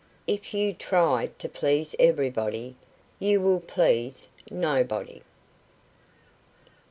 _If you try to please everybody, you will please nobody.